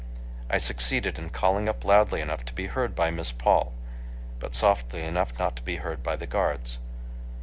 I succeeded in calling up loudly enough to be heard by Miss Paul, but softly enough not to be heard by the guards.